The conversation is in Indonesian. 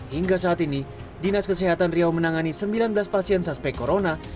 hingga saat ini dinas kesehatan riau menangani sembilan belas pasien suspek corona